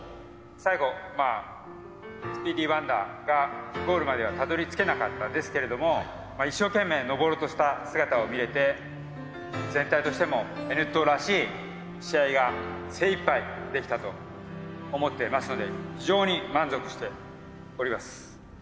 最後スピーディー・ワンダーがゴールまではたどりつけなかったですけれども一生懸命登ろうとした姿を見れて全体としてもＮットーらしい試合が精いっぱいできたと思ってますので非常に満足しております。